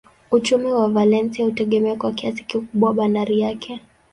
Uchumi wa Valencia hutegemea kwa kiasi kikubwa bandari yake.